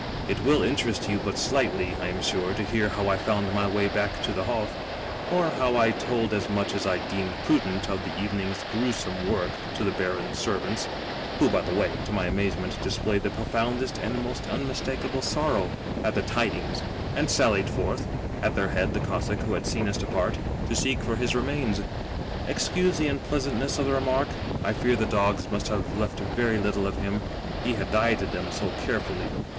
It will interest you but slightly, I am sure, to hear how I found my way back to the Hof ; or how I told as much as I deemed prudent of the evening's grewsome work to the baron's servants, who, by the way, to my amazement, dis played the profoundest and most unmistakable sorrow at the tidings, and sallied forth (at their head the Cossack who had seen us depart) to seek for his remains. Excuse the unpleasantness of the remark: I fear the dogs must, have left very little of him, he had dieted them so carefully..